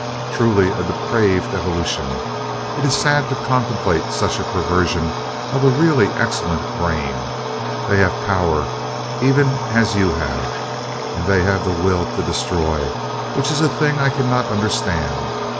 "Truly a depraved evolution it is sad to contemplate such a perversion of a really excellent brain. They have power, even as you have, and they have the will to destroy, which is a thing that I cannot understand.